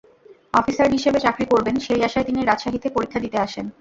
Officer হিসেবে চাকরি করবেন, সেই আশায় তিনি রাজশাহীতে পরীক্ষা দিতে আসেন।